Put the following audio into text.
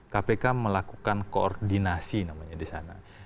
kpk melakukan koordinasi namanya di sana